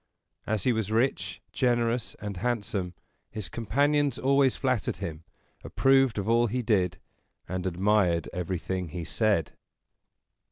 As he was rich, generous, and handsome, his companions always flattered him, approved of all he did, and admired everything he said.